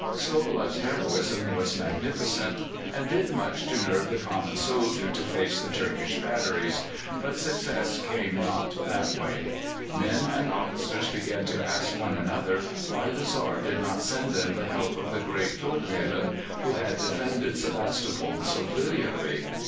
Skobeleff's heroism was magnificent, and did much to nerve the common soldier to face the Turkish batteries; but success came not that way. Men and officers began to ask one another why the Czar did not send them the help of the great Todleben, who had defended Sebastopol so brilliantly.